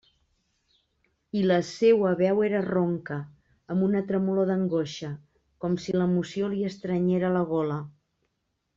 I la seua veu era ronca, amb una tremolor d'angoixa, com si l'emoció li estrenyera la gola.